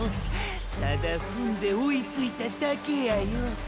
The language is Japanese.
ただ踏んで追いついただけやよ。